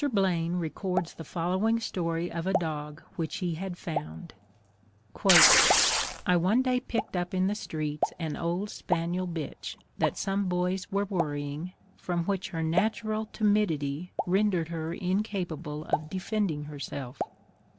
Blaine records the following story of a dog which he had found: "I one day picked up in the streets an old spaniel bitch, that some boys were worrying, from which her natural timidity rendered her incapable of defending herself.